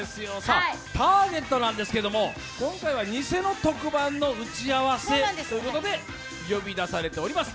ターゲットなんですけども、今回は偽の特番の打ち合わせということで呼び出されております。